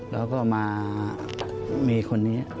แล้วก็มามีคนนี้